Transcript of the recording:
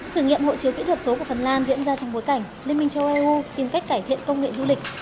thử nghiệm hộ chiếu kỹ thuật số của phần lan diễn ra trong bối cảnh liên minh châu âu tìm cách cải thiện công nghệ du lịch